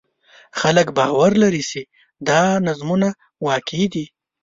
خلک باور لري چې دا نظمونه واقعي دي.